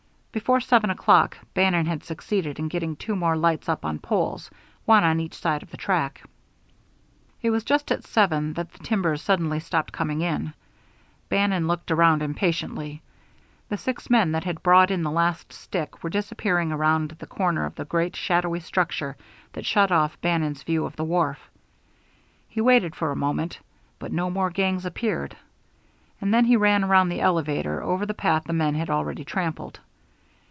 Before seven o'clock Bannon had succeeded in getting two more lights up on poles, one on each side of the track. It was just at seven that the timbers suddenly stopped coming in. Bannon looked around impatiently. The six men that had brought in the last stick were disappearing around the corner of the great, shadowy structure that shut off Bannon's view of the wharf. He waited for a moment, but no more gangs appeared, and then he ran around the elevator over the path the men had already trampled.